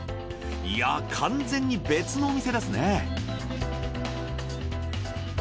いや完全に別のお店ですね。